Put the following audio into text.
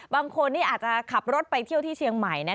บางคนอาจจะขับรถไปเที่ยวที่เชียงใหม่